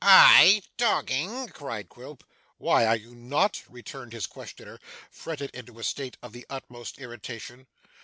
'I dogging!' cried Quilp. 'Why, are you not?' returned his questioner, fretted into a state of the utmost irritation.